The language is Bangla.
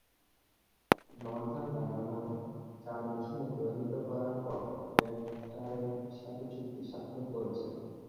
নর্দার্ন ডায়নামোয় চার মৌসুম অতিবাহিত করার পর রেড স্টারের সাথে চুক্তি স্বাক্ষর করেছেন।